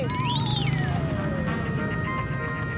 gue gak pernah ngerasain membunuh diri